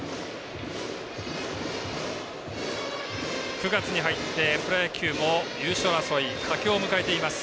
９月に入ってプロ野球も優勝争い、佳境を迎えています。